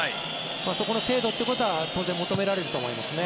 そこの精度ということは当然求められると思いますね。